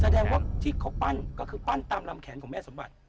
แสดงว่าที่เขาปั้นก็คือปั้นตามลำแขนของแม่สมบัติ